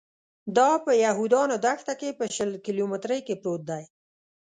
دا په یهودانو دښته کې په شل کیلومترۍ کې پروت دی.